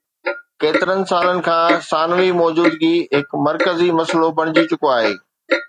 ڪيترن سالن کان ثانوي موجودگي هڪ مرڪزي مسئلو بڻجي چڪو آهي